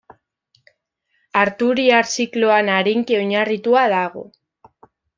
Arturiar Zikloan arinki oinarritua dago.